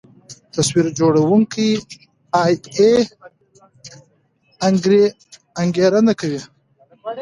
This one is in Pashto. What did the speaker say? تصویر جوړوونکی اې ای انګېرنه کوي.